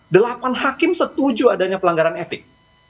delapan hakim setuju adanya pelanggaran etik